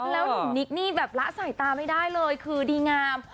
แล้วหนุ่มนิกนี่แบบละสายตาไม่ได้เลยคือดีงาม